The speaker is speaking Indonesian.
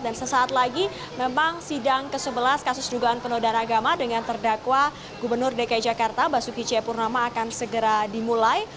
dan sesaat lagi memang sidang ke sebelas kasus dugaan penuh dan agama dengan terdakwa gubernur dki jakarta basuki c purnama akan segera dimulai